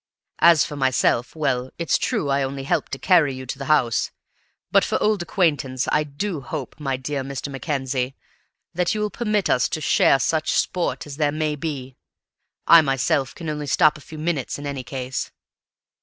As for myself, well, it's true I only helped to carry you to the house; but for old acquaintance I do hope, my dear Mr. Mackenzie, that you will permit us to share such sport as there may be. I myself can only stop a few minutes, in any case."